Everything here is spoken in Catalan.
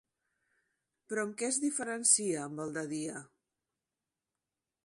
Però en què es diferencia amb el de Dia?